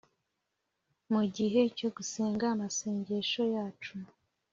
Mugihe cyogusenga amasengesho yacu